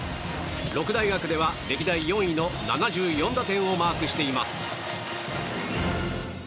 六大学では歴代４位の７４打点をマークしています。